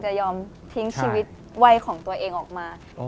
จะยอมทิ้งชีวิตวัยของตัวเองออกมา